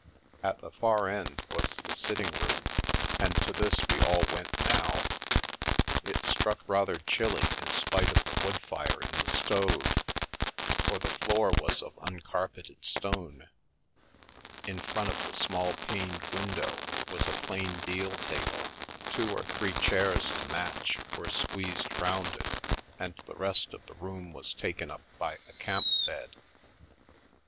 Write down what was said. At the far end was the sitting room, and to this we all went now. It struck rather chilly in spite of the wood fire in the stove, for the floor was of uncarpeted stone ; in front of the small paned window was a plain deal table, two or three chairs to match were squeezed round it, and the rest of the room was taken up by a camp bed.